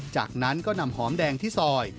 จากนั้นก็นำหอมแดงที่ซอย